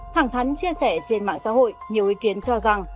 thẳng thắn chia sẻ trên mạng xã hội nhiều ý kiến cho rằng